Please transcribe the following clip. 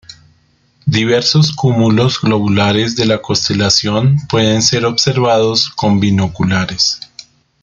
Diversos cúmulos globulares de la constelación pueden ser observados con binoculares.